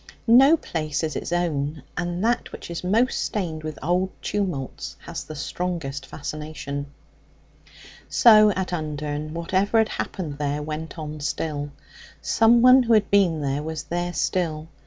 No place is its own, and that which is most stained with old tumults has the strongest fascination. So at Undern, whatever had happened there went on still; someone who had been there was there still.